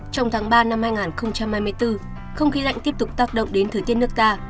trong tháng ba năm hai nghìn hai mươi bốn không khí lạnh tiếp tục tác động đến thời tiết nước ta